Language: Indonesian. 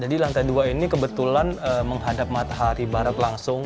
jadi lantai dua ini kebetulan menghadap matahari barat langsung